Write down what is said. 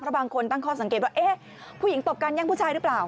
บางคนตั้งข้อสังเกตว่าเอ๊ะผู้หญิงตบกันแย่งผู้ชายหรือเปล่า